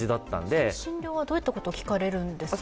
その診療はどういったことを聞かれるんですか？